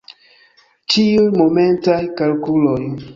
Ĉiuj momentaj kalkuloj.